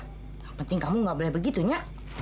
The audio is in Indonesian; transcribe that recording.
yang penting kamu gak boleh begitu nya